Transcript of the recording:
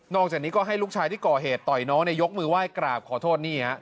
จากนี้ก็ให้ลูกชายที่ก่อเหตุต่อยน้องยกมือไหว้กราบขอโทษนี่ฮะ